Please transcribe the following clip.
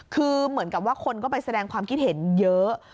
คือเหมือนกับว่าคนก็ไปแสดงความคิดเห็นเยอะ